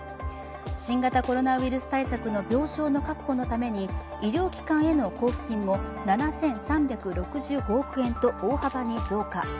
新型コロナウイルス対策の病床の確保のために医療機関への交付金も７３６５億円と大幅に増加。